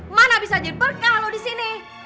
mana bisa jadi berkah lo disini